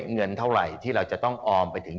เงินเท่าไหร่ที่เราจะต้องออมไปถึง